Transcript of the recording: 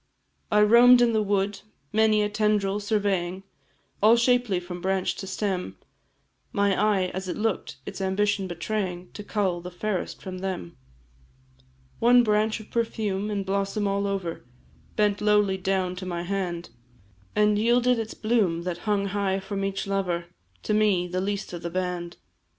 I roam'd in the wood, many a tendril surveying, All shapely from branch to stem, My eye, as it look'd, its ambition betraying To cull the fairest from them; One branch of perfume, in blossom all over, Bent lowly down to my hand, And yielded its bloom, that hung high from each lover, To me, the least of the band.